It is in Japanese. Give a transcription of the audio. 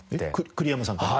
栗山さんから？